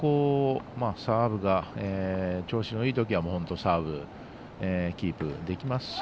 調子のいいときはサーブキープできますし。